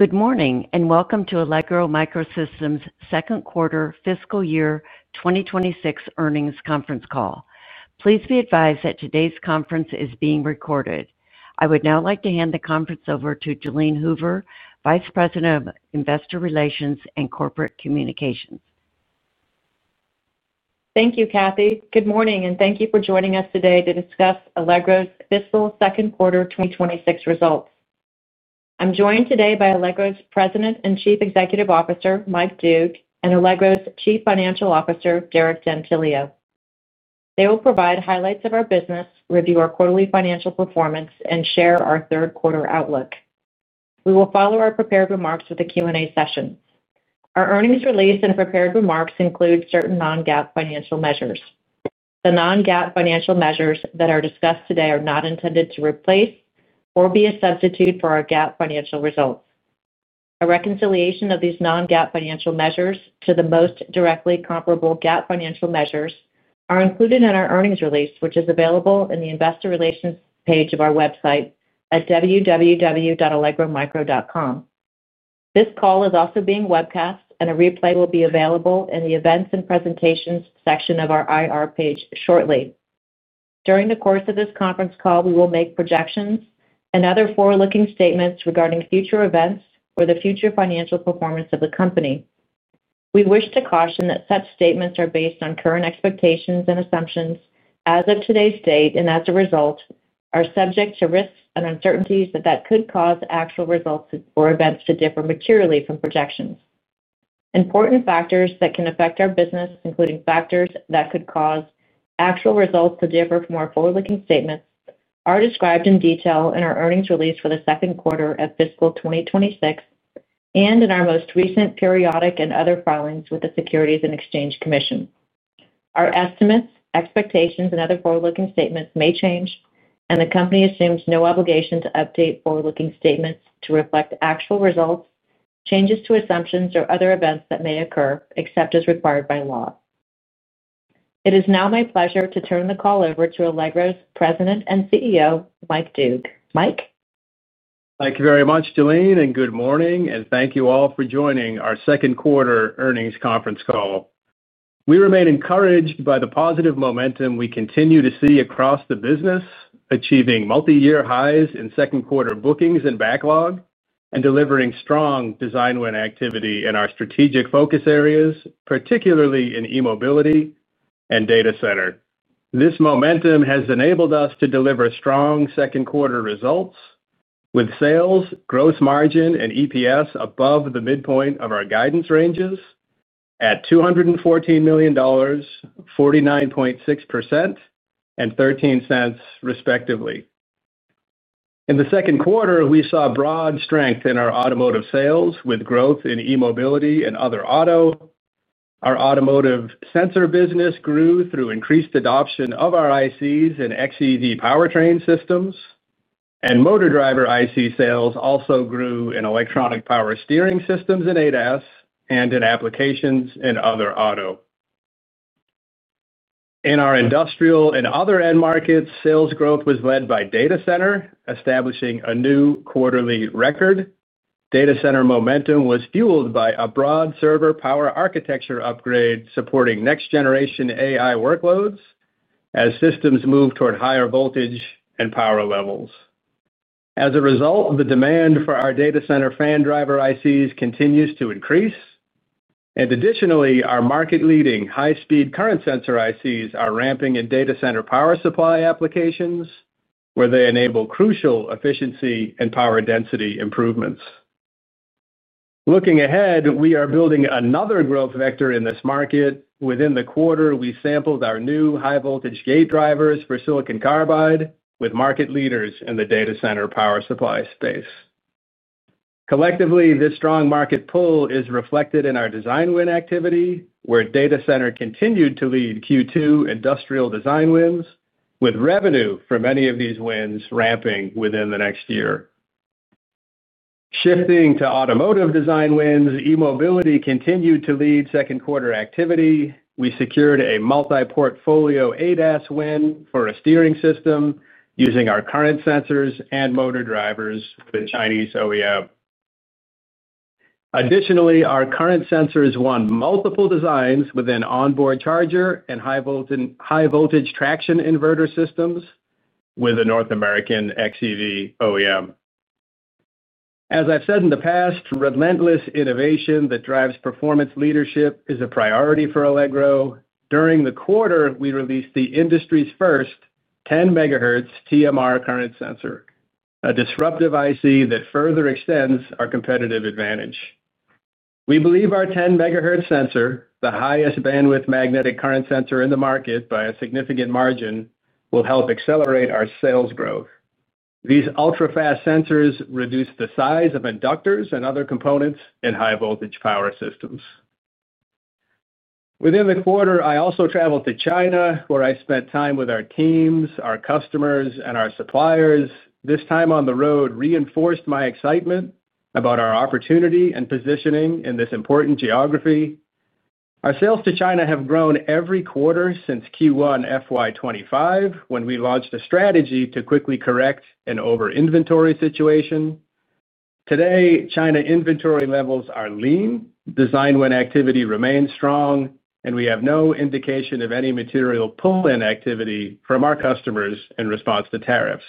Good morning and welcome to Allegro MicroSystems second quarter fiscal year 2026 earnings conference call. Please be advised that today's conference is being recorded. I would now like to hand the conference over to Jalene Hoover, Vice President of Investor Relations and Corporate Communications. Thank you, Kathy. Good morning and thank you for joining us today to discuss Allegro MicroSystems' fiscal second quarter 2026 results. I'm joined today by Allegro's President and Chief Executive Officer Michael Doogue and Allegro MicroSystems' Chief Financial Officer Derek D’Antilio. They will provide highlights of our business, review our quarterly financial performance, and share our third quarter outlook. We will follow our prepared remarks with a Q&A session. Our earnings release and prepared remarks include certain non-GAAP financial measures. The non-GAAP financial measures that are discussed today are not intended to replace or be a substitute for our GAAP financial results. A reconciliation of these non-GAAP financial measures to the most directly comparable GAAP financial measures is included in our earnings release, which is available in the Investor Relations page of our website at www.allegromicro.com. This call is also being webcast and a replay will be available in the Events and Presentations section of our IR page shortly. During the course of this conference call, we will make projections and other forward-looking statements regarding future events or the future financial performance of the company. We wish to caution that such statements are based on current expectations and assumptions as of today's date and as a result are subject to risks and uncertainties that could cause actual results or events to differ materially from projections. Important factors that can affect our business, including factors that could cause actual results to differ from our forward-looking statements, are described in detail in our earnings release for the second quarter of fiscal 2026 and in our most recent periodic and other filings with the Securities and Exchange Commission. Our estimates, expectations, and other forward-looking statements may change and the company assumes no obligation to update forward-looking statements to reflect actual results, changes to assumptions, or other events that may occur except as required by law. It is now my pleasure to turn the call over to Allegro's President and CEO Mike Doogue. Mike. Mike, thank you very much, Jalene, and good morning, and thank you all for joining our second quarter earnings conference call. We remain encouraged by the positive momentum we continue to see across the business, achieving multi-year highs in second quarter bookings and backlog, and delivering strong design win activity in our strategic focus areas, particularly in E-Mobility and Data Center. This momentum has enabled us to deliver strong second quarter results, with sales, growth margin, and EPS above the midpoint of our guidance ranges at $214 million, 49.6%, and $0.13, respectively. In the second quarter, we saw broad strength in our automotive sales, with growth in E-Mobility and other auto. Our automotive sensor business grew through increased adoption of our ICs in xEV powertrain systems, and motor driver IC sales also grew in electronic power steering systems, in ADAS, and in applications in other auto. In our industrial and other end markets, sales growth was led by Data Center, establishing a new quarterly record. Data Center momentum was fueled by a broad server power architecture upgrade supporting next generation AI workloads as systems move toward higher voltage and power levels. As a result, the demand for our Data Center fan driver ICs continues to increase. Additionally, our market-leading high-speed TMR current sensor ICs are ramping in Data Center power supply applications, where they enable crucial efficiency and power density improvements. Looking ahead, we are building another growth vector in this market. Within the quarter, we sampled our new high-voltage gate drivers for silicon carbide with market leaders in the Data Center power supply space. Collectively, this strong market pull is reflected in our design win activity, where Data Center continued to lead Q2 industrial design wins, with revenue from any of these wins ramping within the next year. Shifting to automotive design wins, E-Mobility continued to lead second quarter activity. We secured a multi-portfolio ADAS win for a steering system using our current sensors and motor drivers with a Chinese OEM. Additionally, our current sensors won multiple designs within onboard charger and high-voltage traction inverter systems with a North American xEV OEM. As I've said in the past, relentless innovation that drives performance leadership is a priority for Allegro MicroSystems. During the quarter, we released the industry's first 10 MHz TMR current sensor, a disruptive IC that further extends our competitive advantage. We believe our 10 MHz sensor, the highest bandwidth magnetic current sensor in the market by a significant margin, will help accelerate our sales growth. These ultra fast sensors reduce the size of inductors and other components in high-voltage power systems. Within the quarter, I also traveled to China where I spent time with our teams, our customers, and our suppliers. This time on the road reinforced my excitement about our opportunity and positioning in this important geography. Our sales to China have grown every quarter since Q1 FY 2025 when we launched a strategy to quickly correct an over-inventory situation. Today, China inventory levels are lean, design win activity remains strong, and we have no indication of any material pull-in activity from our customers in response to tariffs.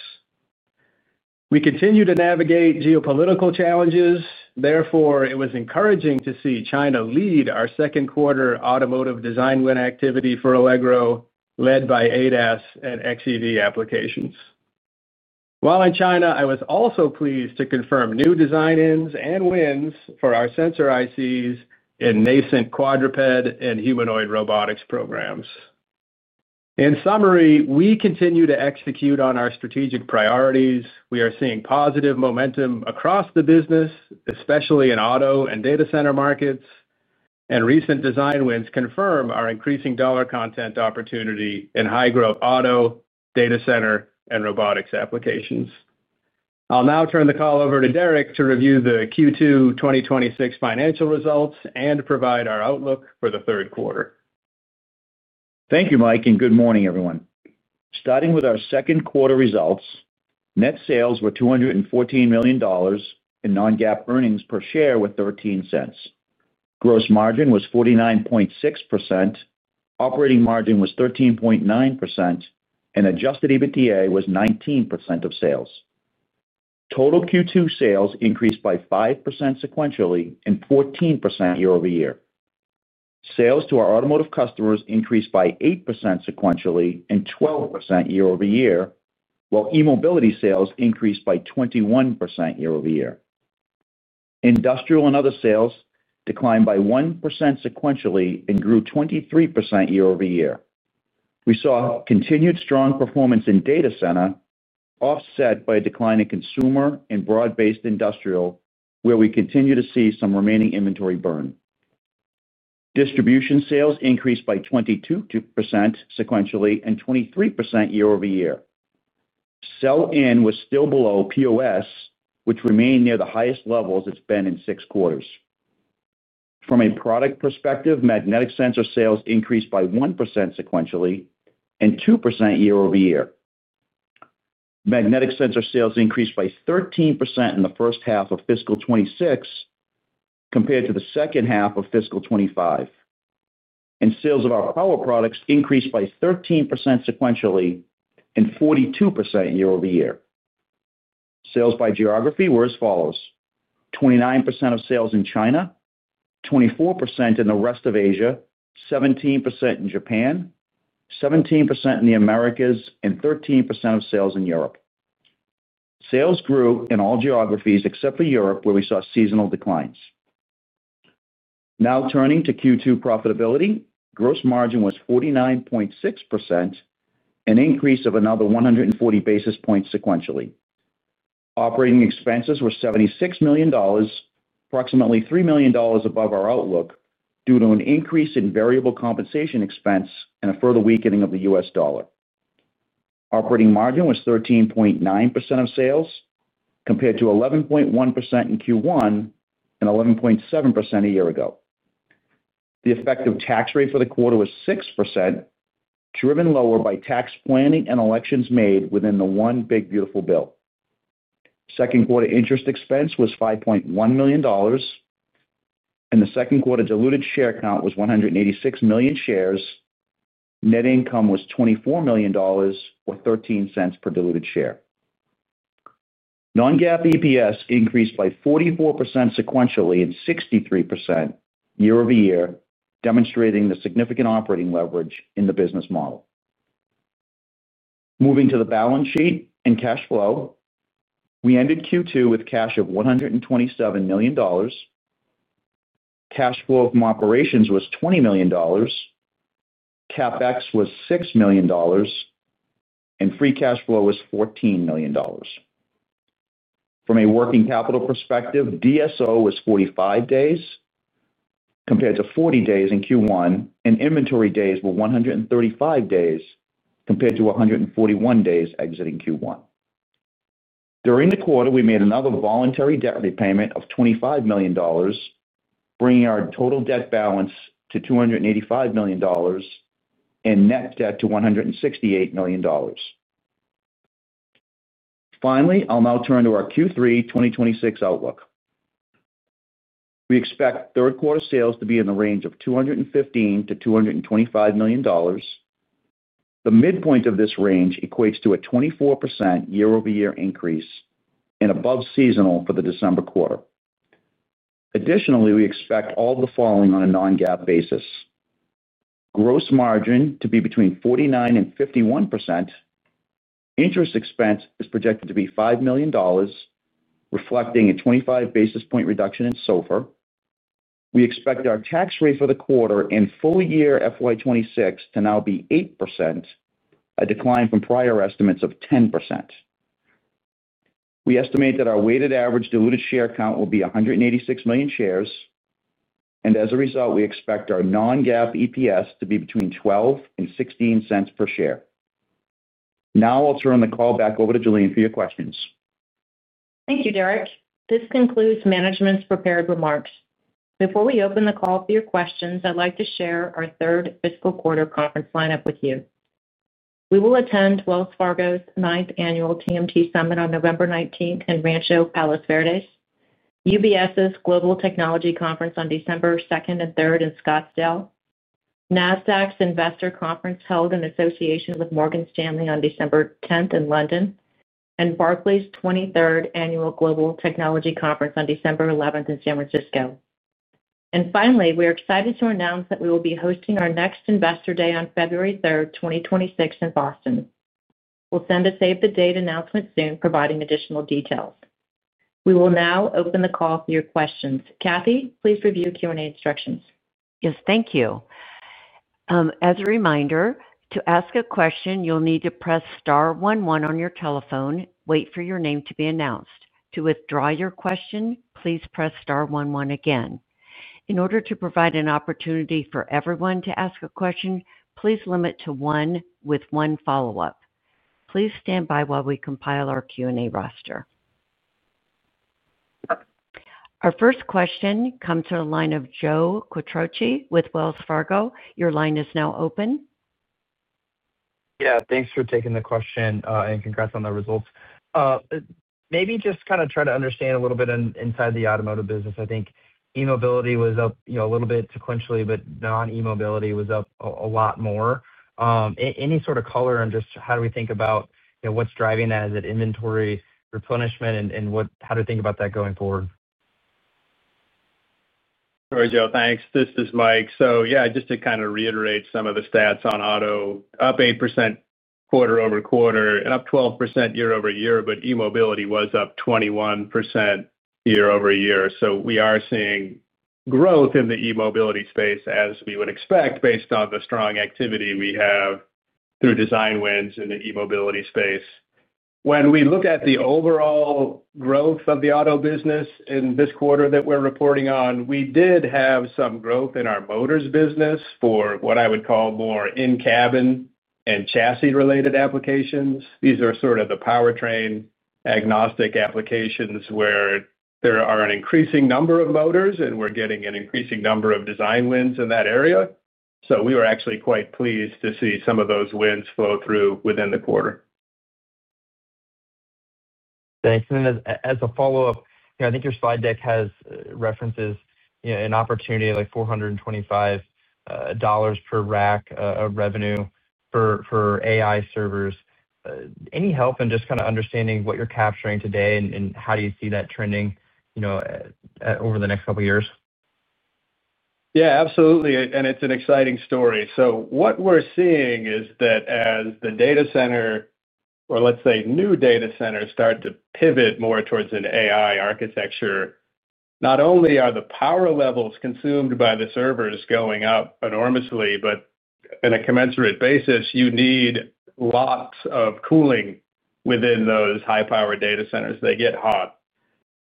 We continue to navigate geopolitical challenges. Therefore, it was encouraging to see China lead our second quarter automotive design win activity for Allegro, led by ADAS and xEV applications. While in China, I was also pleased to confirm new design ins and wins for our sensor ICs in nascent quadruped and humanoid robotics programs. In summary, we continue to execute on our strategic priorities. We are seeing positive momentum across the business, especially in auto and data center markets, and recent design wins confirm our increasing dollar content opportunity in high-growth auto, data center, and robotics applications. I'll now turn the call over to Derek to review the Q2 2026 financial results and provide our outlook for the third quarter. Thank you, Mike, and good morning, everyone. Starting with our second quarter results, net sales were $214 million and non-GAAP earnings per share were $0.13. Gross margin was 49.6%, operating margin was 13.9%, and adjusted EBITDA was 19% of sales. Total Q2 sales increased by 5% sequentially and 14% year-over-year. Sales to our automotive customers increased by 8% sequentially and 12% year-over-year, while E-Mobility sales increased by 21% year-over-year. Industrial and other sales declined by 1% sequentially and grew 23% year-over-year. We saw continued strong performance in data center, offset by a decline in consumer and broad-based industrial, where we continue to see some remaining inventory burn. Distribution sales increased by 22% sequentially and 23% year-over-year. Sell-in was still below POS, which remained near the highest levels it's been in six quarters. From a product perspective, magnetic sensor sales increased by 1% sequentially and 2% year-over-year. Magnetic sensor sales increased by 13% in the first half of fiscal 2026 compared to the second half of fiscal 2025, and sales of our power products increased by 13% sequentially and 42% year-over-year. Sales by geography were as follows: 29% of sales in China, 24% in the rest of Asia, 17% in Japan, 17% in the Americas, and 13% of sales in Europe. Sales grew in all geographies except for Europe, where we saw seasonal declines. Now turning to Q2 profitability, gross margin was 49.6%, an increase of another 140 basis points sequentially. Operating expenses were $76 million, approximately $3 million above our outlook due to an increase in variable compensation expense and a further weakening of the U.S. dollar. Operating margin was 13.9% of sales compared to 11.1% in Q1 and 11.7% a year ago. The effective tax rate for the quarter was 6%, driven lower by tax planning and elections made within the one big beautiful bill. Second quarter interest expense was $5.1 million, and the second quarter diluted share count was 186 million shares. Net income was $24 million, or $0.13 per diluted share. Non-GAAP EPS increased by 44% sequentially and 63% year-over-year, demonstrating the significant operating leverage in the business model. Moving to the balance sheet and cash flow, we ended Q2 with cash of $127 million. Cash flow from operations was $20 million, CapEx was $6 million, and free cash flow was $14 million. From a working capital perspective, DSO was 45 days compared to 40 days in Q1, and inventory days were 135 days compared to 141 days exiting Q1. During the quarter, we made another voluntary debt repayment of $25 million, bringing our total debt balance to $285 million and net debt to $168 million. Finally, I'll now turn to our Q3 2026 outlook. We expect third quarter sales to be in the range of $215 million-$225 million. The midpoint of this range equates to a 24% year-over-year increase and above seasonal for the December quarter. Additionally, we expect all the following on a non-GAAP basis. Gross margin to be between 49% and 51%. Interest expense is projected to be $5 million, reflecting a 25 basis point reduction in SOFR. We expect our tax rate for the quarter and full year FY 2026 to now be 8%, a decline from prior estimates of 10%. We estimate that our weighted average diluted share count will be 186 million shares, and as a result, we expect our non-GAAP EPS to be between $0.12 and $0.16 per share. Now I'll turn the call back over to Jalene for your questions. Thank you, Derek. This concludes management's prepared remarks. Before we open the call for your questions, I'd like to share our third fiscal quarter conference lineup with you. We will attend Wells Fargo Securities' 9th Annual TMT Summit on November 19 in Rancho Palos Verdes, UBS Investment Bank's Global Technology Conference on December 2nd and 3rd in Scottsdale, NASDAQ's Investor Conference held in association with Morgan Stanley on December 10th in London, and Barclays Bank PLC's 23rd Annual Global Technology Conference on December 11 in San Francisco. Finally, we are excited to announce that we will be hosting our next Investor Day on February 3rd, 2026, in Boston. We'll send a Save the Date announcement soon, providing additional details. We will now open the call for your questions. Kathy, please review Q&A instructions. Yes, thank you. As a reminder to ask a question, you'll need to press star one one on your telephone and wait for your name to be announced. To withdraw your question, please press star one one again. In order to provide an opportunity for everyone to ask a question, please limit to one with one follow-up. Please stand by while we compile our Q&A roster. Our first question comes from the line of Joe Quatrochi with Wells Fargo. Your line is now open. Yeah, thanks for taking the question, and congrats on the results. Maybe just kind of try to understand a little bit inside the automotive business. I think E-Mobility was up a little bit sequentially, but non E-Mobility was up a lot more. Any sort of color on just how do we think about what's driving that? Is it inventory replenishment and how to think about that going forward? Joe, thanks. This is Mike. Just to kind of reiterate some of the stats on auto, up 8% quarter-over-quarter and up 12% year-over-year. E-Mobility was up 21% year-over-year. We are seeing growth in the E-Mobility space as we would expect based on the strong activity we have through design wins in the E-Mobility space. When we look at the overall growth of the auto business in this quarter that we're reporting on, we did have some growth in our motors business for what I would call more in-cabin and chassis-related applications. These are sort of the powertrain-agnostic applications where there are an increasing number of motors and we're getting an increasing number of design wins in that area. We were actually quite pleased to see some of those wins flow through within the quarter. Thanks. As a follow up, I think your slide deck has references an opportunity like $425 per rack of revenue for AI servers. Any help in just kind of understanding what you're capturing today, and how do you see that trending over the next couple years? Yeah, absolutely. It's an exciting story. What we're seeing is that as the data center, or let's say new data centers, start to pivot more towards an AI architecture, not only are the power levels consumed by the servers going up enormously, but on a commensurate basis you need lots of cooling within those high power data centers, they get hot.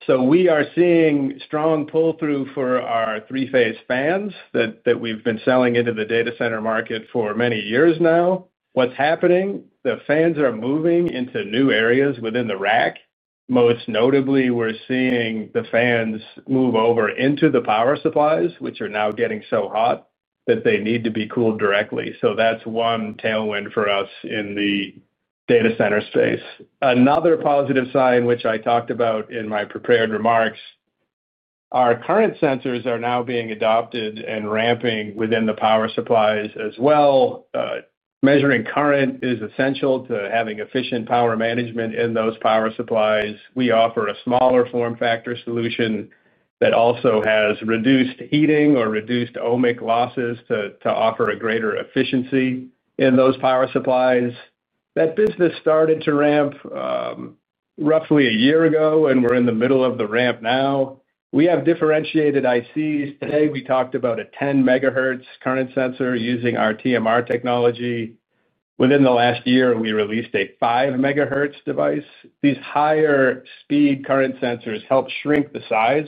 We are seeing strong pull through for our three phase fans that we've been selling into the data center market for many years now. What's happening is the fans are moving into new areas within the rack. Most notably, we're seeing the fans move over into the power supplies, which are now getting so hot that they need to be cooled directly. That's one tailwind for us in the data center space. Another positive sign, which I talked about in my prepared remarks, is our current sensors are now being adopted and ramping within the power supplies as well. Measuring current is essential to having efficient power management in those power supplies. We offer a smaller form factor solution that also has reduced heating or reduced ohmic losses to offer greater efficiency in those power supplies. That business started to ramp roughly a year ago and we're in the middle of the ramp now. We have differentiated ICs. Today we talked about a 10 MHz current sensor using our TMR technology. Within the last year we released a 5 MHz device. These higher speed current sensors help shrink the size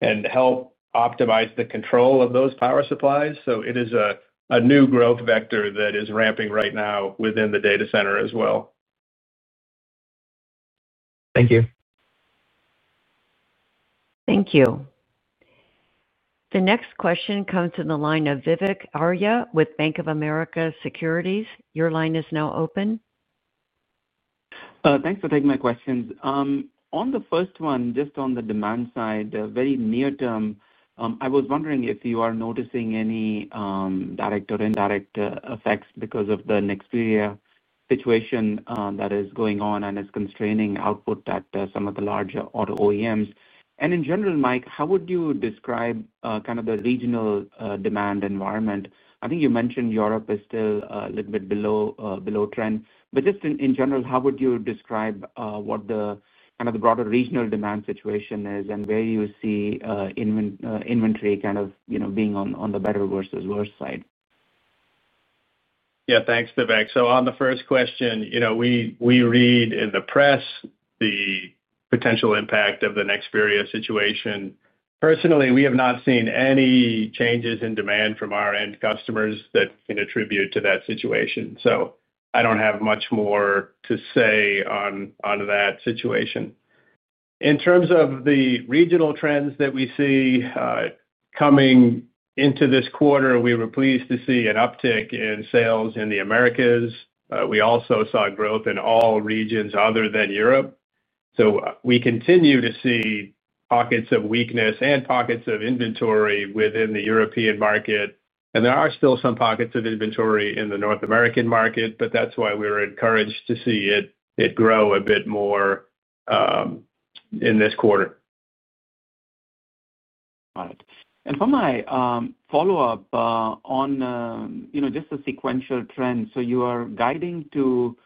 and help optimize the control of those power supplies. It is a new growth vector that is ramping right now within the data center as well. Thank you. Thank you. The next question comes in the line of Vivek Arya with Bank of America Securities. Your line is now open. Thanks for taking my questions. On the first one, just on the demand side very near-term, I was wondering if you are noticing any direct or indirect effects because of the next situation that is going on and is constraining output at some of the larger auto OEMs. In general, Mike, how would you describe kind of the regional demand environment? I think you mentioned Europe is still a little bit below trend. Just in general, how would you describe what the kind of the broader regional demand situation is and where you see inventory kind of being on the better versus worse side? Yeah. Thanks, Vivek. On the first question, we read in the press the potential impact of the Nexperia situation. Personally, we have not seen any changes in demand from our end customers that can attribute to that situation. I don't have much more to say on that situation. In terms of the regional trends that we see coming into this quarter, we were pleased to see an uptick in sales in the Americas. We also saw growth in all regions other than Europe. We continue to see pockets of weakness and pockets of inventory within the European market. There are still some pockets of inventory in the North American market. That's why we were encouraged to see it grow a bit more in this quarter. For my follow up on just the sequential trend, you are guiding to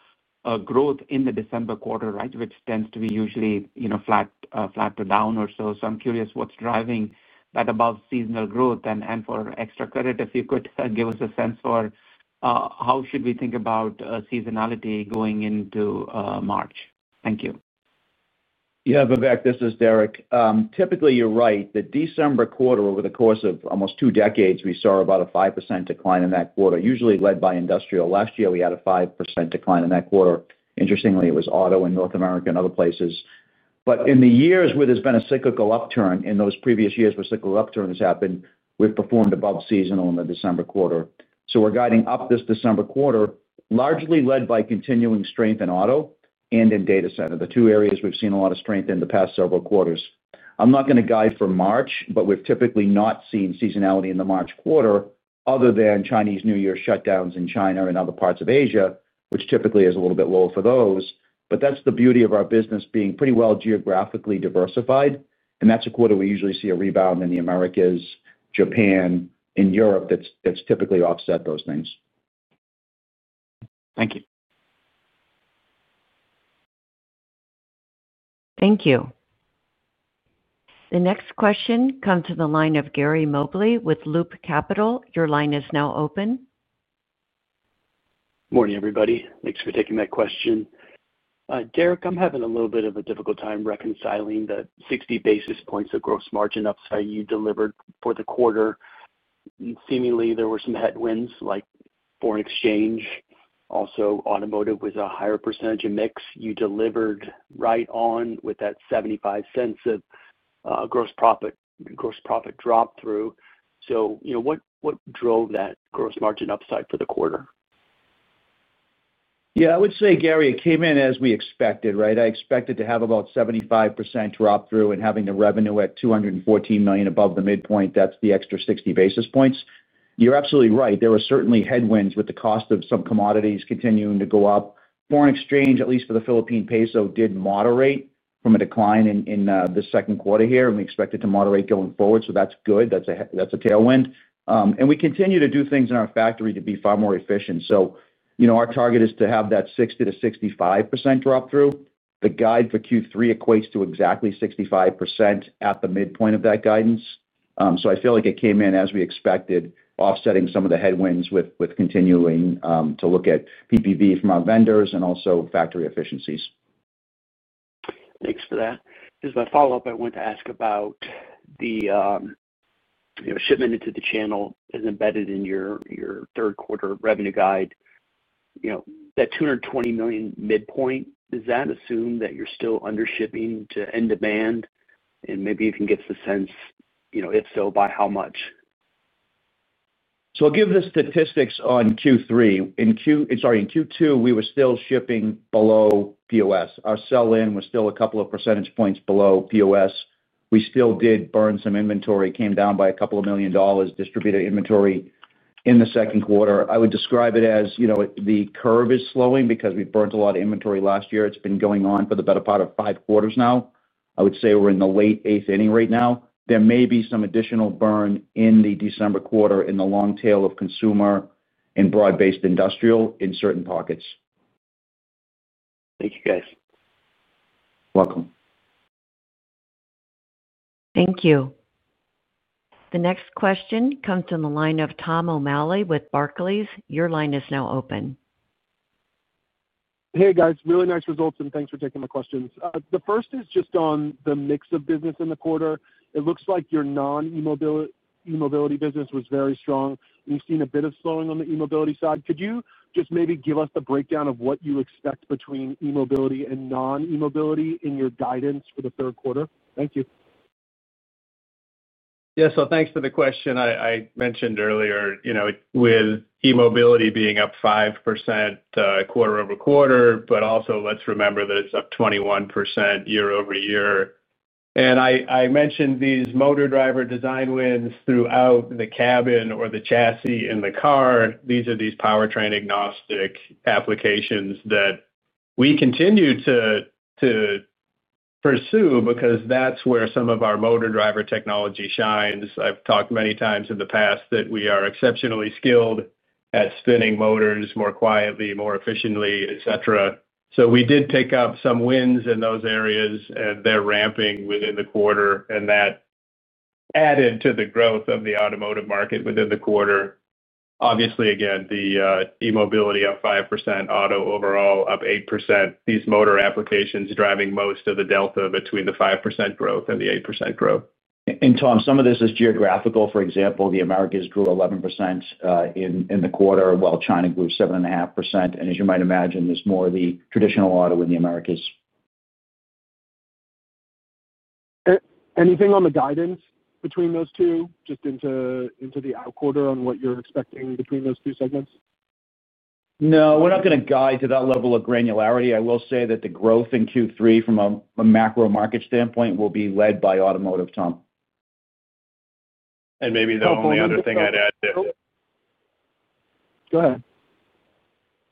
growth in the December quarter, which tends to be usually flat to down or so. I'm curious, what's driving that above seasonal growth? For extra credit, if you could give us a sense for how should we think about seasonality going into March? Thank you. Yeah, Vivek, this is Derek. Typically, you're right, the December quarter, over the course of almost two decades, we saw about a 5% decline in that quarter, usually led by industrial. Last year we had a 5% decline in that quarter. Interestingly, it was auto in North America and other places. In the years where there's been a cyclical upturn, in those previous years where cyclical upturn has happened, we've performed above seasonal in the December quarter. We're guiding up this December quarter, largely led by continuing strength in auto and in data center, the two areas we've seen a lot of strength in the past several quarters. I'm not going to guide for March, but we've typically not seen seasonality in the March quarter other than Chinese New Year shutdowns in China and other parts of Asia, which typically is a little bit low for those. That's the beauty of our business being pretty well geographically diversified. That's a quarter we usually see a rebound in the Americas, Japan, and Europe. That's typically offset those things. Thank you. Thank you. The next question comes to the line of Gary Mobley with Loop Capital. Your line is now open. Morning, everybody. Thanks for taking that question, Derek. I'm having a little bit of a difficult time reconciling the 60 basis points of gross margin upside you delivered for the quarter. Seemingly there were some headwinds like foreign exchange. Also, automotive was a higher percentage of mix. You delivered right on with that $0.75 of gross profit drop through. What drove that gross margin upside for the quarter? Yeah, I would say, Gary, it came in as we expected. Right. I expected to have about 75% drop through, and having the revenue at $214 million above the midpoint, that's the extra 60 basis points. You're absolutely right. There were certainly headwinds, with the cost of some commodities continuing to go up. Foreign exchange, at least for the Philippine peso, did moderate from a decline in the second quarter here, and we expect it to moderate going forward. That's good. That's a tailwind. We continue to do things in our factory to be far more efficient. Our target is to have that 60%-65% drop through. The guide for Q3 equates to exactly 65% at the midpoint of that guidance. I feel like it came in as we expected, offsetting some of the headwinds with continuing to look at PPV from our vendors and also factory efficiencies. Thanks for that. As a follow up, I want to ask about the shipment into the channel. Is embedded in your third quarter revenue guide, that $220 million midpoint, does that assume that you're still under shipping to end demand and maybe you can get. If so, by how much? I'll give the statistics on Q3. In Q2 we were still shipping below POS. Our sell-in was still a couple of percentage points below POS. We still did burn some inventory. It came down by a couple of million dollars in distributed inventory in the second quarter. I would describe it as the curve is slowing because we burnt a lot of inventory last year. It's been going on for the better part of five quarters now. I would say we're in the late eighth inning right now. There may be some additional burn in the December quarter in the long tail of consumer and broad-based industrial in certain pockets. Thank you, guys. Welcome. Thank you. The next question comes from the line of Tom O'Malley with Barclays Bank PLC. Your line is now open. Hey guys, really nice results and thanks for taking my questions. The first is just on the mix of business in the quarter. It looks like your non E-Mobility business was very strong. We've seen a bit of slowing on the E-Mobility side. Could you just maybe give us the breakdown of what you expect between E-Mobility and non E-Mobility in your guidance for the third quarter? Thank you. Yeah, so thanks for the question I mentioned earlier. You know, with E-Mobility being up 5% quarter-over-quarter, let's remember that it's up 21% year-over-year. I mentioned these motor driver design wins throughout the cabin or the chassis in the car. These are powertrain agnostic applications that we continue to pursue because that's where some of our motor driver technology shines. I've talked many times in the past that we are exceptionally skilled at spinning motors more quietly, more efficiently, etc. We did pick up some wins in those areas and they're ramping within the quarter. That added to the growth of the automotive market within the quarter, obviously again the E-Mobility up 5%, auto overall up 8%. These motor applications driving most of the delta between the 5% growth and the 8% growth. Tom, some of this is geographical. For example, the Americas grew 11% in the quarter while China grew 7.5%. As you might imagine, there's more of the traditional auto in the Americas. Anything on the guidance between those two just into the out quarter on what you're expecting between those two segments? No, we're not going to guide to that level of granularity. I will say that the growth in Q3 from a macro market standpoint will be led by automotive, Tom. And maybe the only other thing I'd add. Go ahead.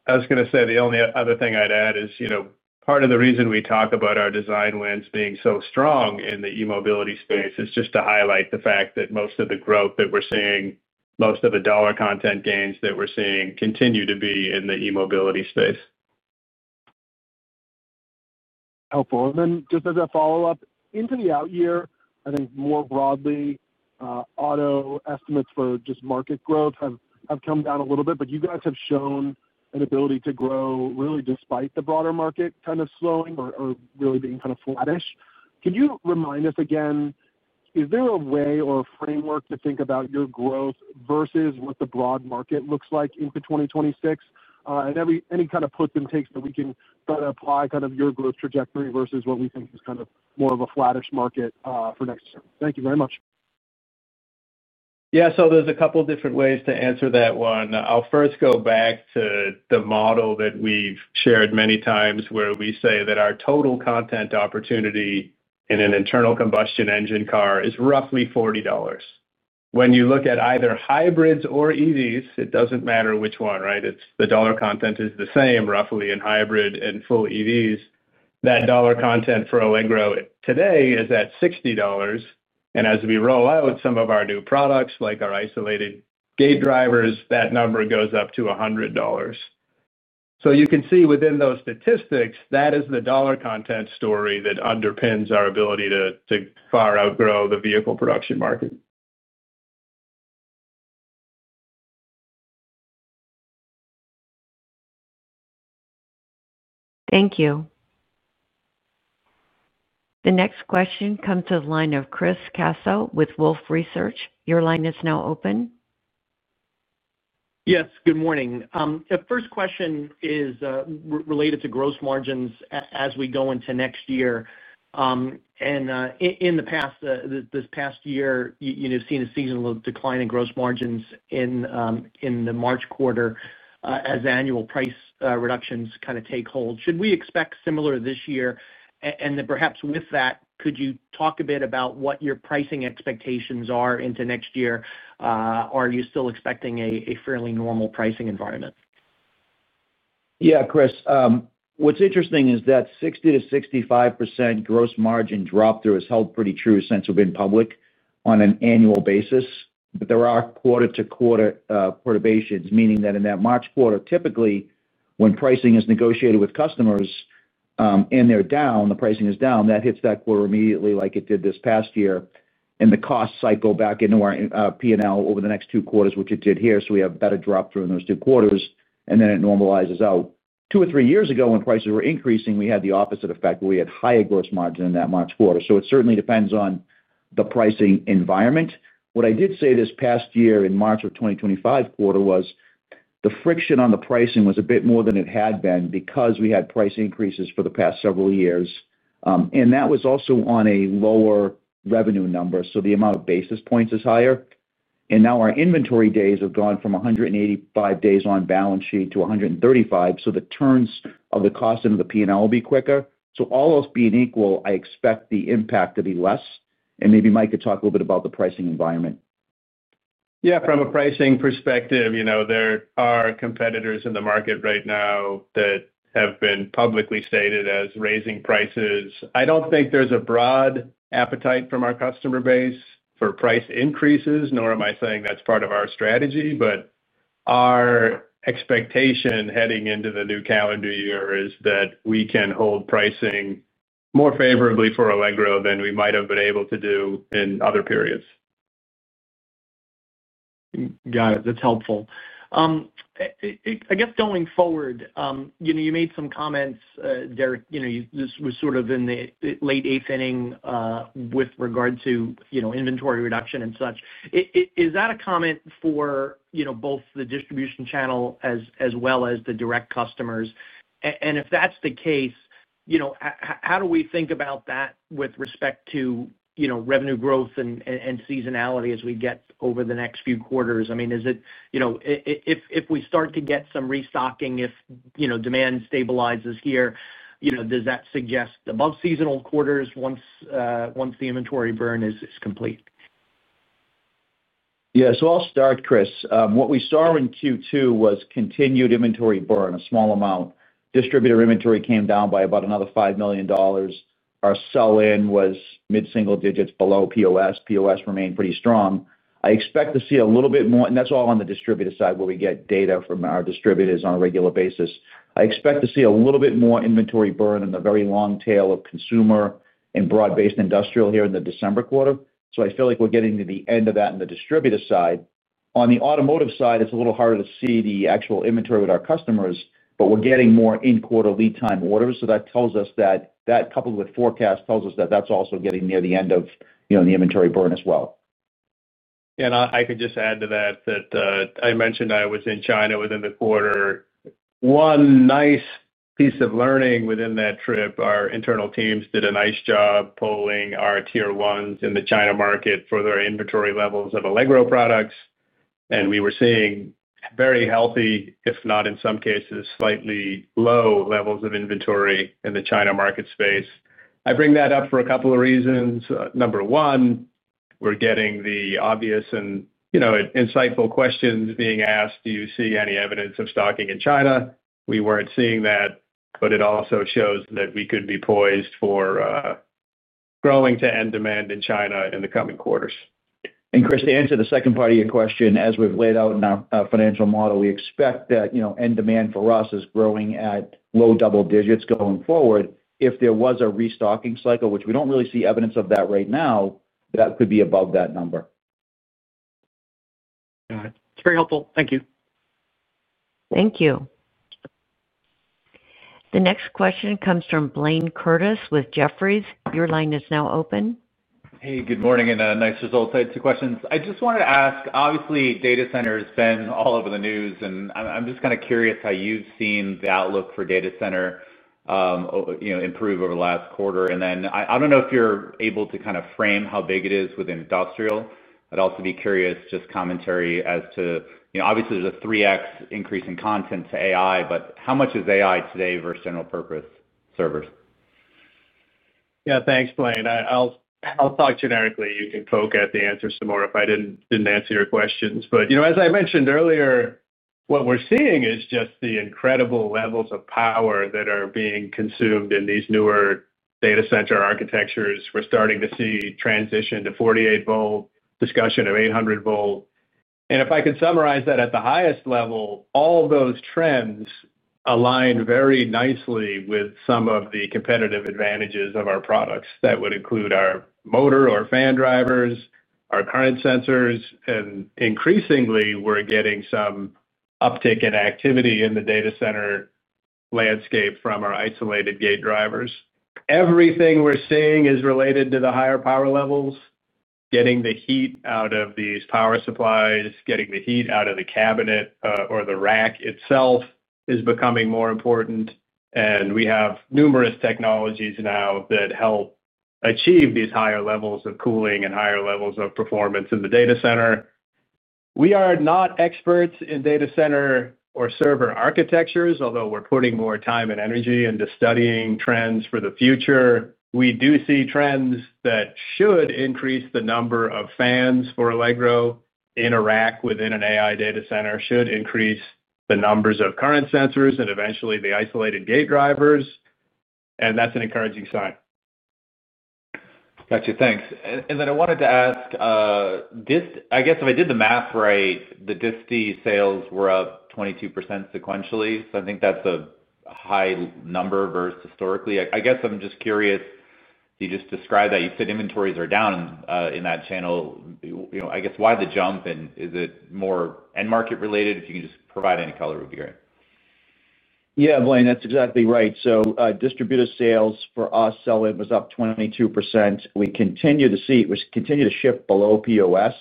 The only other thing I'd add is part of the reason we talk about our design wins being so strong in the E-Mobility space is just to highlight the fact that most of the growth that we're seeing, most of the dollar content gains that we're seeing, continue to be in the E-Mobility space. Helpful. Just as a follow up into the out year, I think more broadly, auto estimates for just market growth have come down a little bit. You guys have shown an ability to grow really despite the broader market kind of slowing or really being kind of flattish. Can you remind us again, is there a way or a framework to think about your growth versus what the broad market looks like into 2026 and any kind of puts and takes that we can apply kind of your growth trajectory versus what we think is kind of more of a flattish market for next year? Thank you very much. Yeah, so there's a couple different ways to answer that one. I'll first go back to the model that we've shared many times where we say that our total content opportunity in an internal combustion engine car is roughly $40. When you look at either hybrids or EVs, it doesn't matter which one, right? The dollar content is the same roughly in hybrid and full EVs. That dollar content for Allegro today is at $60, and as we roll out some of our new products, like our isolated gate drivers, that number goes up to $100. You can see within those statistics, that is the dollar content story that underpins our ab, the vehicle production market. Thank you. The next question comes to the line of Chris Caso with Wolfe Research. Your line is now open. Yes. Good morning. The first question is related to gross margins as we go into next year. In the past, this past year, you've seen a seasonal decline in gross margins in the March quarter as annual price reductions kind of take hold. Should we expect similar this year? With that, could you talk a bit about what your pricing expectations are into next year? Are you still expecting a fairly normal pricing environment? Yeah. Chris, what's interesting is that 60%-65% gross margin drop through has held pretty true since we've been public on an annual basis. There are quarter-to-quarter perturbations, meaning that in that March quarter, typically when pricing is negotiated with customers and they're down, the pricing is down. That hits that quarter immediately like it did this past year. The cost cycle back into our P&L over the next two quarters, which it did here. We have better drop during those two quarters and then it normalizes out. Two or three years ago, when prices were increasing, we had the opposite effect. We had higher gross margin in that March quarter. It certainly depends on the pricing environment. What I did say this past year in the March 2025 quarter was the friction on the pricing was a bit more than it had been because we had price increases for the past several years and that was also on a lower revenue number. The amount of basis points is higher. Now our inventory days have gone from 185 days on balance sheet to 135. The turns of the cost into the P&L will be quicker. All else being equal, I expect the impact to be less. Maybe Mike could talk a little bit about the pricing environment. Yeah. From a pricing perspective, you know, there are competitors in the market right now that have been publicly stated as raising prices. I don't think there's a broad appetite from our customer base for price increases, nor am I saying that's part of our strategy. Our expectation heading into the new calendar year is that we can hold pricing more favorably for Allegro than we might have been able to do in other periods. Got it. That's helpful, I guess, going forward. You know, you made some comments, Derek this was sort of in the late eighth inning with regard to inventory reduction and such. Is that a comment for both the distribution channel as well as the direct customers? If that's the case, how do we think about that with respect to revenue growth and seasonality as we get over the next few quarters? I mean, if we start to get some restocking, if demand stabilizes here, does that suggest above seasonal quarters once the inventory burn is complete? Yes. I'll start. Chris, what we saw in Q2 was continued inventory burn. A small amount of distributor inventory came down by about another $5 million. Our sell-in was mid-single-digits below POS. POS remained pretty strong. I expect to see a little bit more. That's all on the distributor side where we get data from our distributors on a regular basis. I expect to see a little bit more inventory burn in the very long tail of consumer and broad-based industrial here in the December quarter. I feel like we're getting to the end of that on the distributor side. On the automotive side, it's a little harder to see the actual inventory with our customers, but we're getting more in-quarter lead time orders. That, coupled with forecast, tells us that that's also getting near the end of the inventory burn as well. I could just add to that that I mentioned I was in China within the quarter. One nice piece of learning within that trip, our internal teams did a nice job polling our tier ones in the China market for their inventory levels of Allegro products. We were seeing very healthy, if not in some cases slightly low, levels of inventory in the China market space. I bring that up for a couple of reasons. Number one, we're getting the obvious and, you know, insightful questions being asked. Do you see any evidence of stocking in China? We weren't seeing that, but it also shows that we could be poised for growing to end demand in China in the coming quarters. To answer the second part of your question, as we've laid out in our financial model, we expect that, you know, end demand for us is growing at low-double-digits going forward. If there was a restocking cycle, which we don't really see evidence of right now, that could be above that number. It's very helpful. Thank you. Thank you. The next question comes from Blayne Curtis with Jefferies. Your line is now open. Hey, good morning and nice results. I had two questions I just wanted to ask. Obviously, data center has been all over the news, and I'm just kind of curious how you've seen the outlook for data center improve over the last quarter, and then I don't know if you're able to kind of frame how big it is within industrial. I'd also be curious, just commentary as to. Obviously there's a 3x increase in content to AI, but how much is AI today versus general purpose servers? Yeah, thanks Blayne. I'll talk generically. You can poke at the answer some more if I didn't answer your questions. As I mentioned earlier, what we're seeing is just the incredible levels of power that are being consumed in these newer data center architectures. We're starting to see transition to 48 volt, discussion of 800 volt. If I could summarize that, at the highest level, all those trends align very nicely with some of the competitive advantages of our products. That would include our motor or fan driver ICs, our current sensors, and increasingly we're getting some uptick in activity in the data center landscape from our isolated gate drivers. Everything we're seeing is related to the higher power levels. Getting the heat out of these power supplies, getting the heat out of the cabinet or the rack itself is becoming more important. We have numerous technologies now that help achieve these higher levels of cooling and higher levels of performance in the data center. We are not experts in data center or server architectures, although we're putting more time and energy into studying trends for the future. We do see trends that should increase the number of fans for Allegro in a rack. Within an AI data center, it should increase the numbers of current sensors and eventually the isolated gate drivers. That's an encouraging sign. Gotcha. Thanks. I wanted to ask, I. Guess if I did the math right, the distributor sales were up 22% sequentially. I think that's a high number versus historically. I'm just curious, you just described that, you said inventories are down in that channel. I guess why the jump? Is it more end market related if you can just provide any color, really? Yeah, Blayne, that's exactly right. Distributor sales for us were up 22%. We continue to see, we continue to ship below POS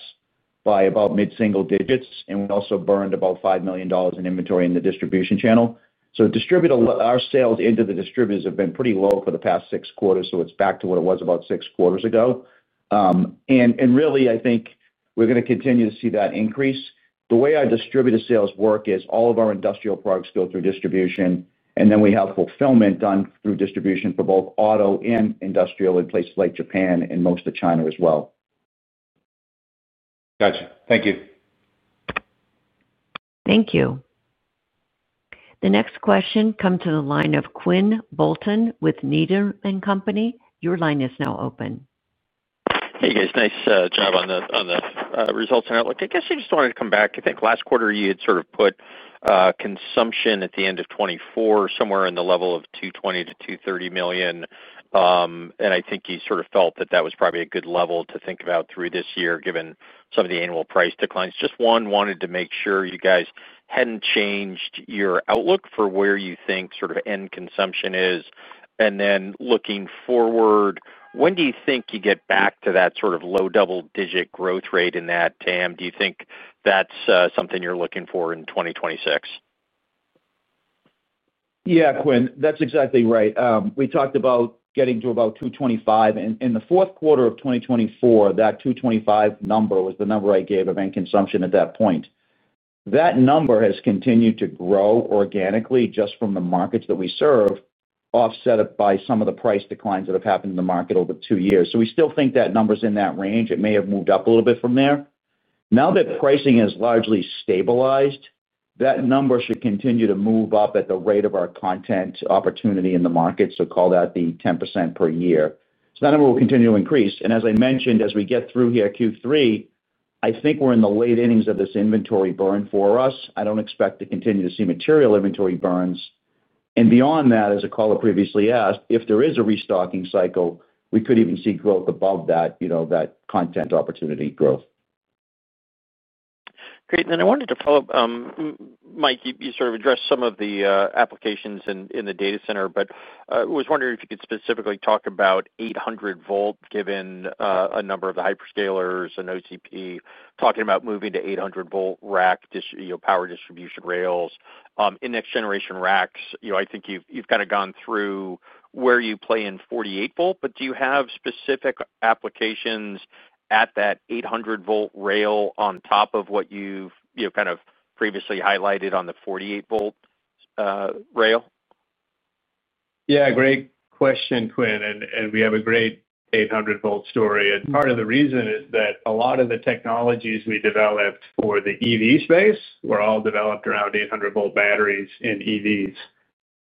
by about mid-single-digits and we also burned about $5 million in inventory in the distribution channel. Our sales into the distributors have been pretty low for the past six quarters. It's back to what it was about six quarters ago. I think we're going to continue to see that increase. The way our distributor sales work is all of our industrial products go through distribution and then we have fulfillment done through distribution for both auto and industrial in places like Japan and most of China as well. Gotcha. Thank you. Thank you. The next question comes from the line of Quinn Bolton with Needham & Company. Your line is now open. Hey guys, nice job on the results and outlook. I guess I just wanted to come back. I think last quarter you had sort of put consumption at the end of 2024, somewhere in the level of $220 million -$230 million. I think you sort of felt that that was probably a good level to think about through this year given some of the annual price declines. Just wanted to make sure you guys hadn't changed your outlook for where you think sort of end consumption is. Looking forward, when do you think you get back to that sort of low-double-digit growth rate in that TAM? Do you think that's something you're looking for in 2026? Yeah, Quinn, that's exactly right. We talked about getting to about $225 million in the fourth quarter of 2024. That $225 million number was the number I gave of end consumption at that number has continued to grow organically just from the markets that we serve, offset by some of the price declines that have happened in the market over two years. We still think that number's in that range. It may have moved up a little bit from there. Now that pricing is largely stabilized, that number should continue to move up at the rate of our content opportunity in the market. Call that the 10% per year. That number will continue to increase. As I mentioned as we get through here, Q3, I think we're in the late innings of this inventory burn for us. I don't expect to continue to see material inventory burns beyond that. As a caller previously asked, if there is a restocking cycle, we could even see growth above that content opportunity growth. Great. I wanted to follow up. Mike, you sort of addressed some of the applications in the data center, but was wondering if you could specifically talk about 800 volt given a number of the hyperscalers and OCP talking about moving to 800 volt rack power distribution rails in next generation racks. I think you've kind of gone through where you play in 48 volt, but do you have specific applications at that 800 volt rail on top of what you kind of previously highlighted on the 48 volt rail? Yeah, great question Quinn. We have a great 800 volt story, and part of the reason is that a lot of the technologies we developed for the EV space were all developed around 800 volt batteries in EVs.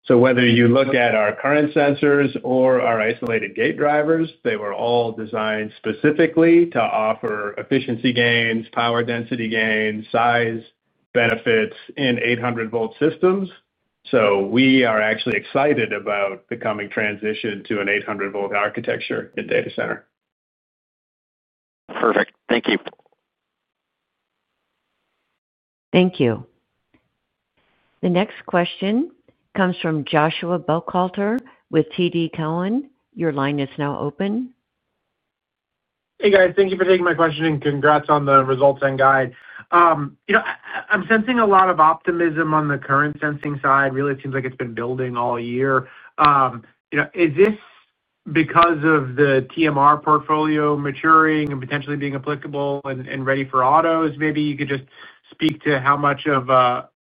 Whether you look at our current sensors or our isolated gate drivers, they were all designed specifically to offer efficiency gains, power density gains, and size benefits in 800 volt systems. We are actually excited about the coming transition to an 800 volt architecture in data center. Perfect. Thank you. Thank you. The next question comes from Joshua Buchalter with TD Cowen. Your line is now open. Hey guys, thank you for taking my question and congrats on the results and guide. I'm sensing a lot of optimism on the current sensing side. Really ot seems like it's been building all year. Is this because of the TMR portfolio maturing and potentially being applicable and ready for autos? Maybe you could just speak to how much of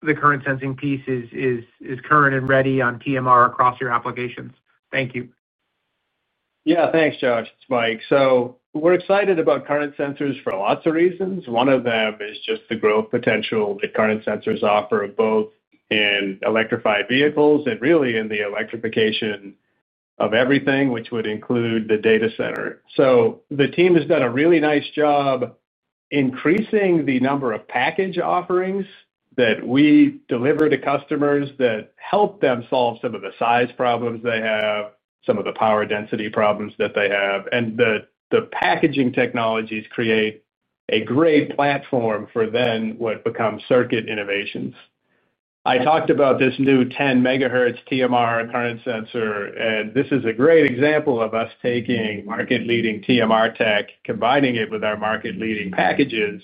the current sensing piece is current and ready on TMR across your applications. Thank you. Yeah, thanks, Josh. It's Mike. We're excited about current sensors for lots of reasons. One of them is just the growth potential that current sensors offer, both in electrified vehicles and really in the electrification of everything, which would include the data center. The team has done a really nice job increasing the number of package offerings that we deliver to customers that help them solve some of the size problems they have, some of the power density problems that they have, and the packaging technologies create a great platform for what becomes circuit innovations. I talked about this new 10 MHz TMR current sensor and this is a great example of us taking market leading TMR tech, combining it with our market leading packages,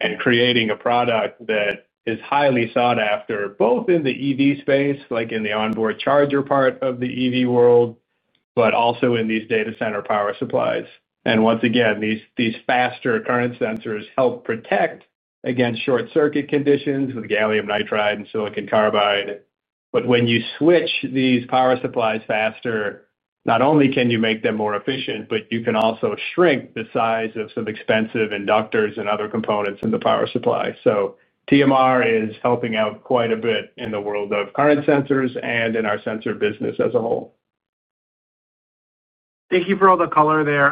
and creating a product that is highly sought after both in the EV space, like in the onboard charger part of the EV world, but also in these data center power supplies. These faster current sensors help protect against short circuit conditions with gallium nitride and silicon carbide. When you switch these power supplies faster, not only can you make them more efficient, but you can also shrink the size of some expensive inductors and other components in the power supply. TMR is helping out quite a bit in the world of current sensors and in our sensor business as a whole. Thank you for all the color there.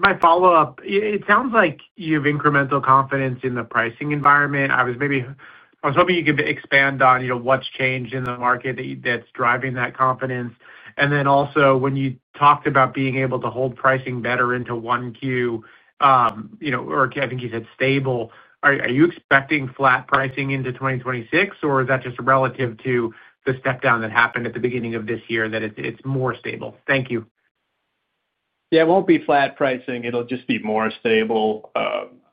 My follow-up, it sounds like you have incremental confidence in the pricing environment. I was hoping you could expand on what's changed in the market that's driving that confidence. Also, when you talked about being able to hold pricing better into 1Q, I think you said stable. Are you expecting flat pricing into 2026, or is that just relative to the step down that happened at the beginning of this year that it's more stable? Thank you. Yeah, it won't be flat pricing, it'll just be more stable.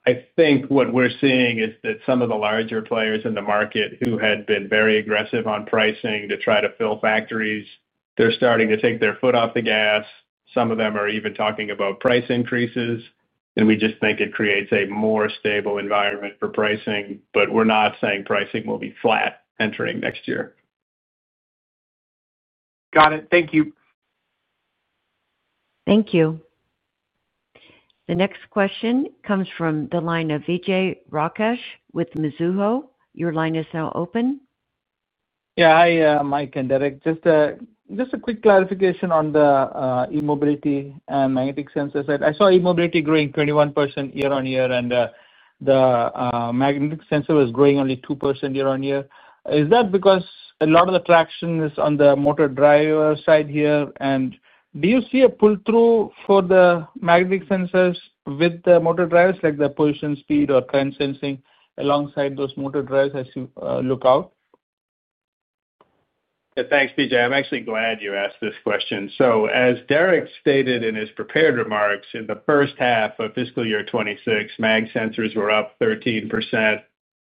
I think what we're seeing is that some of the larger players in the market who had been very aggressive on pricing to try to fill factories are starting to take their foot off the gas. Some of them are even talking about price increases. We just think it creates a more stable environment for pricing, but we're not saying pricing will be flat entering next year. Got it. Thank you. Thank you. The next question comes from the line of Vijay Rakesh with Mizuho. Your line is now open. Yeah, hi Mike and Derek. Just a quick clarification on the E-Mobility and magnetic sensors. I saw E-Mobility growing 21% year-on-year and the magnetic sensor was growing only 2% year-on-year. Is that because a lot of the traction is on the motor driver side here? Do you see a pull through for the magnetic sensors with the motor drivers like the position, speed, or current sensing alongside those motor drives as you look out? Thanks, Vijay. I'm actually glad you asked this question. As Derek D’Antilio stated in his prepared remarks, in the first half of fiscal year 2026, magnetic sensors were up 13%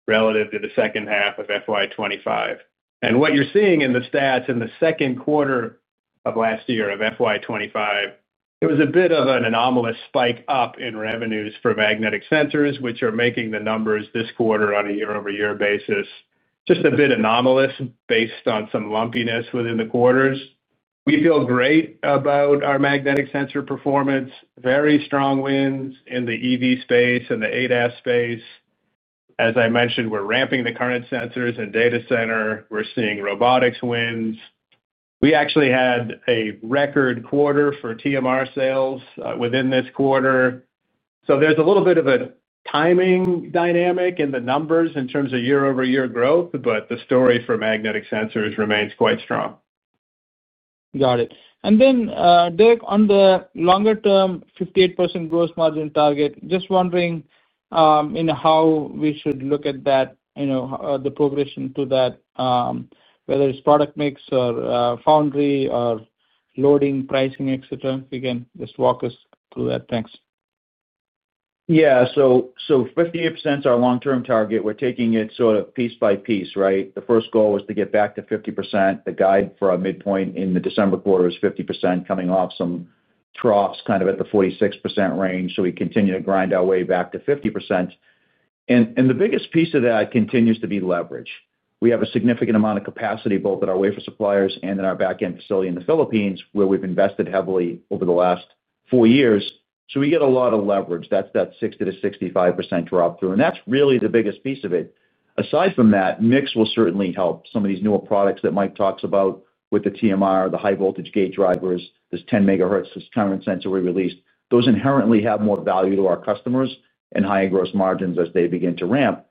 relative to the second half of fiscal year 2025. What you're seeing in the stats in the second quarter of last year of FY 2025, it was a bit of an anomalous spike up in revenues for magnetic sensors, which are making the numbers this quarter on a year-over-year basis just a bit anomalous. Based on some lumpiness within the quarters, we feel great about our magnetic sensor performance. Very strong wins in the EV space and the ADAS space. As I mentioned, we're ramping the current sensors and data center. We're seeing robotics wins. We actually had a record quarter for TMR sales within this quarter. There's a little bit of a timing dynamic in the numbers in terms of year-over-year growth. The story for magnetic sensors remains quite strong. Got it. Derek, on the longer term 58% gross margin target, just wondering how we should look at that, the progression to that, whether it's product mix or foundry or loading, pricing, etc. If you can just walk us. Thanks. Yeah, so 58% is our long-term target. We're taking it sort of piece by piece. Right. The first goal was to get back to 50%. The guide for our midpoint in the December quarter is 50%, coming off some troughs kind of at the 46% range. We continue to grind our way back to 50%, and the biggest piece of that continues to be leverage. We have a significant amount of capacity both at our wafer suppliers and in our back-end facility in the Philippines, where we've invested heavily over the last four years. We get a lot of leverage. That's that 60%-65% drop-through, and that's really the biggest piece of it. Aside from that, mix will certainly help. Some of these newer products that Mike talks about with the TMR, the high-voltage gate drivers, this 10 MHz current sensor we released, those inherently have more value to our customers and higher gross margins as they begin to ramp.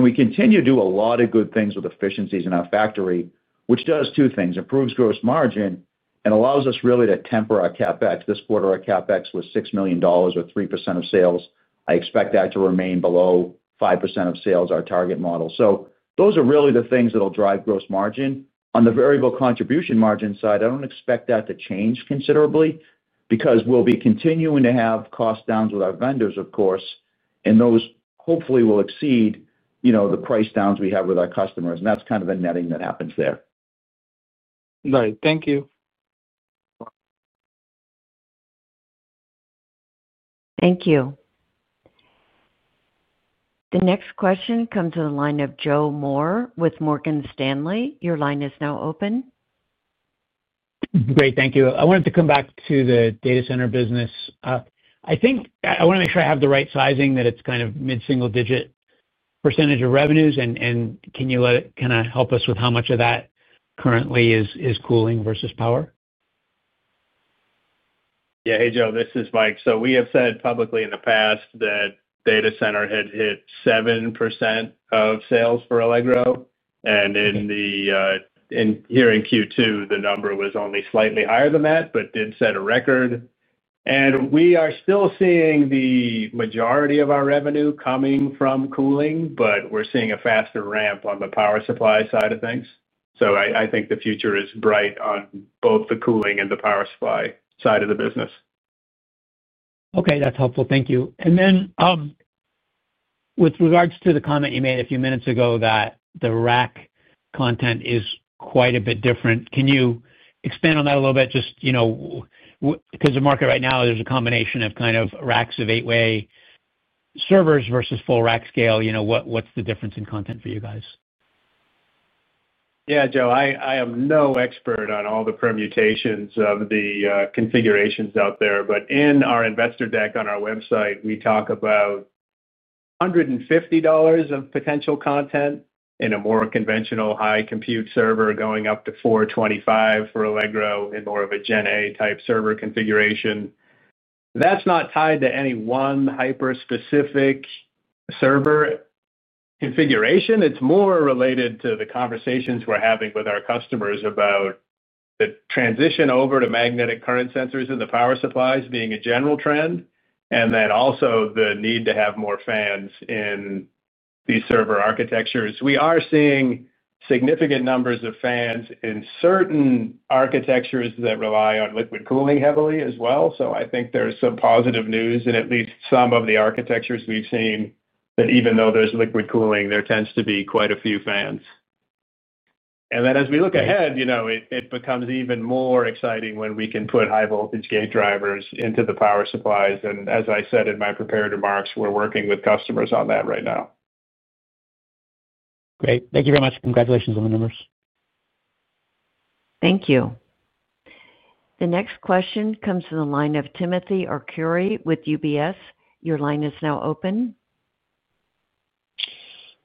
We continue to do a lot of good things with efficiencies in our factory, which does two things: improves gross margin improvement and allows us really to temper our CapEx. This quarter our CapEx was $6 million, or 3% of sales. I expect that to remain below 5% of sales, our target model. Those are really the things that will drive gross margin. On the variable contribution margin side, I don't expect that to change considerably because we'll be continuing to have cost downs with our vendors, of course, and those hopefully will exceed the price downs we have with our customers. That's kind of the netting that happens there. All right, thank you. Thank you. The next question comes to the line of Joe Moore with Morgan Stanley. Your line is now open. Great, thank you. I wanted to come back to the data center business. I think I want to make sure I have the right sizing, that it's kind of mid-single-digit percentage of revenues. Can you kind of help us with how much of that currently is cooling versus power? Yeah. Hey Joe, this is Mike. We have said publicly in the past that data center had hit 7% of sales for Allegro, and here in Q2 the number was only slightly higher than that, but did set a record. We are still seeing the majority of our revenue coming from cooling, but we're seeing a faster ramp on the power supply side of things. I think the future is bright on both the cooling and the power supply side of the business. Okay, that's helpful, thank you. With regards to the comment you made a few minutes ago that the rack content is quite a bit different, can you expand on that a little bit? Just, you know, because the market right now there's a combination of kind of racks of 8-way servers versus full rack scale. What's the difference in content for you guys? Yeah, Joe, I am no expert on all the permutations of the configurations out there, but in our investor deck on our website we talk about $150 of potential content in a more conventional high compute server going up to $425 for Allegro in more of a Gen A type server configuration. That's not tied to any one hyper specific server configuration. It's more related to the conversations we're having with our customers about the transition over to magnetic current sensors and the power supplies being a general trend. Also, the need to have more fans in these server architectures. We are seeing significant numbers of fans in certain architectures that rely on liquid cooling heavily as well. I think there's some positive news. At least some of the architectures we've seen that even though there's liquid cooling, there tends to be quite a few fans. As we look ahead, it becomes even more exciting when we can put high-voltage gate drivers into the power supplies. As I said in my prepared remarks, we're working with customers on that right now. Great. Thank you very much. Congratulations on the numbers. Thank you. The next question comes in the line of Timothy Arcuri with UBS. Your line is now open.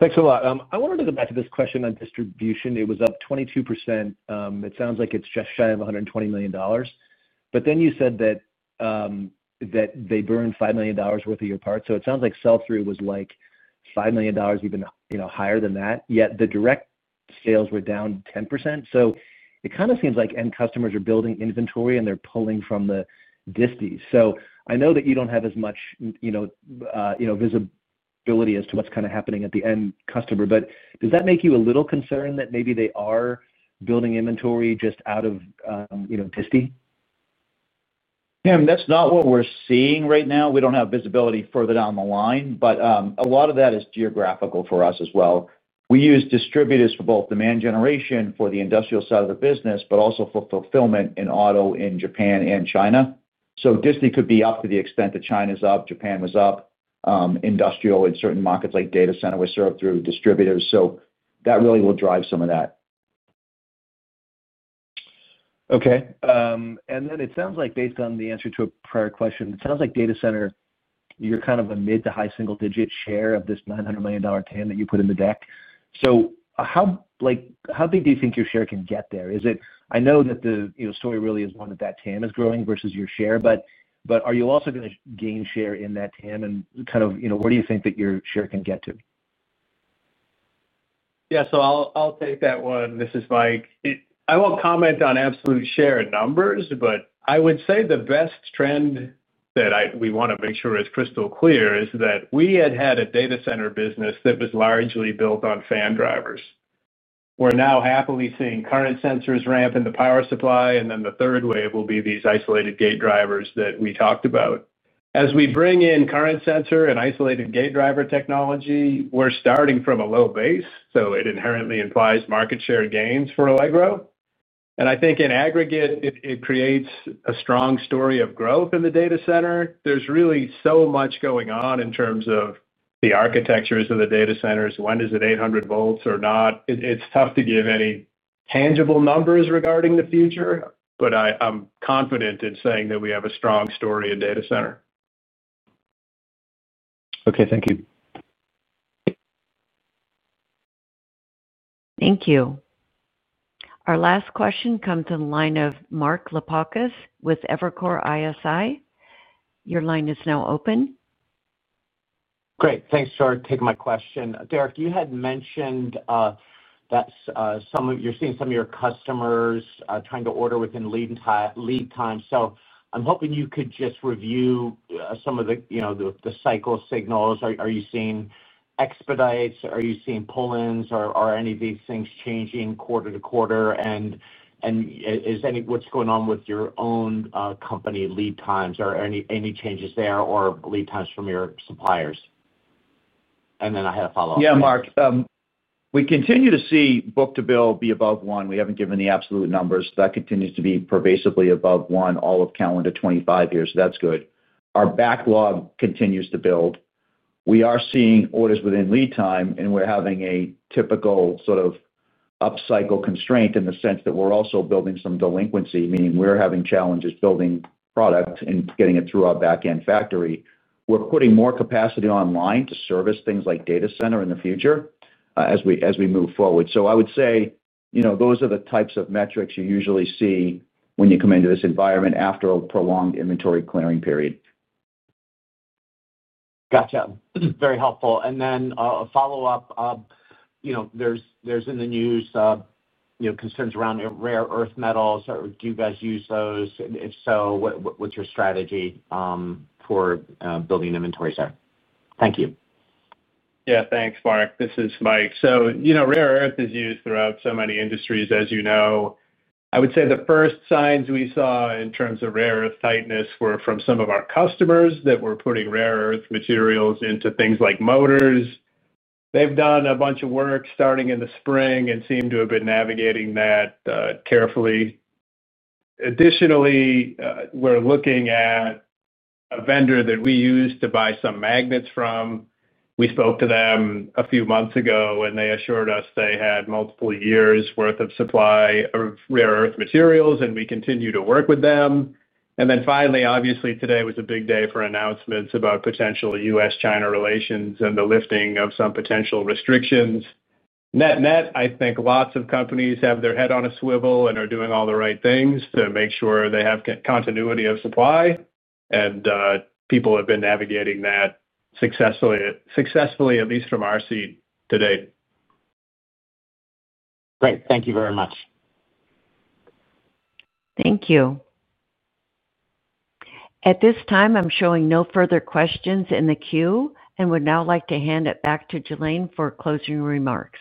Thanks a lot. I wanted to go back to this question on distribution. It was up 22%. It sounds like it's just shy of $120 million. You said that they burned $5 million worth of your parts. It sounds like sell through was. Like $5 million, even higher than that. Yet the direct sales were down 10%. It kind of seems like end customers are building inventory and they're pulling from the disti. I know that you don't have as much visibility as to what's kind of happening at the end customer, but does that make you a little concerned that maybe they are building inventory just out of disti? That's not what we're seeing right now. We don't have visibility further down the line, but a lot of that is geographical for us as well. We use distributors for both demand generation for the industrial side of the business, but also for fulfillment in auto in Japan and China. Demand could be up to the extent that China is up, Japan was up. Industrial in certain markets like data center was served through distributors. That really will drive some of that. Okay, then it sounds like based on the answer to a prior question, it sounds like data center, you're kind of a mid to high single digit share of this $900 million TAM Put in the deck. How big do you think your share can get there? I know that the story really is one, that TAM is growing versus your share, but are you also going to gain share in that TAM? Where do you think that your share can get to? Yeah, I'll take that one. This is Mike. I won't comment on absolute share numbers, but I would say the best trend that we want to make sure is crystal clear is that we had a data center business that was largely built on fan driver ICs. We're now happily seeing current sensors ramp in the power supply, and then the third wave will be these isolated gate drivers that we talked about. As we bring in current sensor and isolated gate driver technology, we're starting from a low base. It inherently implies market share gains for Allegro, and I think in aggregate it creates a strong story of growth in the data center. There's really so much going on in terms of the architectures of the data centers. When is it 800 volts or not? It's tough to give any tangible numbers regarding the future, but I'm confident in saying that we have a strong story in data center. Okay, thank you. Thank you. Our last question comes in line of Mark Lipacis with Evercore ISI. Your line is now open. Great, thanks for taking my question. Derek, you had mentioned that you're seeing some of your customers trying to order within lead time. I'm hoping you could just review some of the cycle signals. Are you seeing expedites, are you seeing? Pull-ins or any of these things is that changing quarter to quarter? What's going on with your own company lead times? Any changes there or lead times from your suppliers? I had a follow up. Yeah, Mark, we continue to see book to bill be above one. We haven't given the absolute numbers. That continues to be pervasively above one all of calendar 2025. That's good. Our backlog continues to build. We are seeing orders within lead time, and we're having a typical sort of upcycle constraint in the sense that we're also building some delinquency, meaning we're having challenges building product and getting it through our back end factory. We're putting more capacity online to service things like data center in the future as we move forward. I would say those are the types of metrics you usually see when you come into this environment after a prolonged inventory clearing period. Gotcha. Very helpful. Then a follow up, you know, there's in the news, you know, concerns around rare earth metals. Do you guys use those? If so, what's your strategy for building inventories there? Thank you. Yeah, thanks Mark, this is Mike. Rare earth is used throughout so many industries. As you know, I would say the first signs we saw in terms of rare earth tightness were from some of our customers that were putting rare earth materials into things like mower. They've done a bunch of work starting in the spring and seem to have been navigating that carefully. Additionally, we're looking at a vendor that we used to buy some magnets from. We spoke to them a few months ago, and they assured us they had multiple years' worth of supply of rare earth materials. We continue to work with them. Finally, obviously, today was a big day for announcements about potential U.S.-China relations and the lifting of some potential restrictions. Net net, I think lots of companies have their head on a swivel and are doing all the right things to make sure they have continuity of supply. People have been navigating that successfully, at least from our seat today. Great, thank you very much. Thank you. At this time, I'm showing no further questions in the queue and would now like to hand it back to Jalene for closing remarks.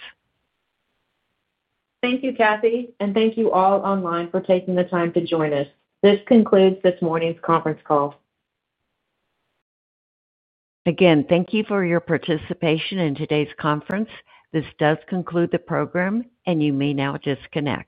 Thank you, Kathy, and thank you all online for taking the time to join us. This concludes this morning's conference call. Again, thank you for your participation in today's conference. This does conclude the program, and you may now disconnect.